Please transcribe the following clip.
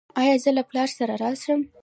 ایا زه له پلار سره راشم؟